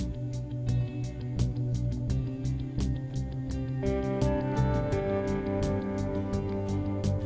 yang terbaik adalah di curse video sering berlangganan orang tengka timur